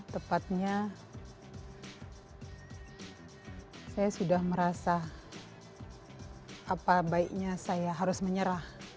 tepatnya saya sudah merasa apa baiknya saya harus menyerah